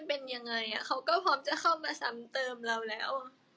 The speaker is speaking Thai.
เป็นยังไงเขาก็พร้อมจะเข้ามาซ้ำเติมเราแล้ว